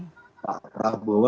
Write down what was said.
pak prabowo dan pak muwaimah itu juga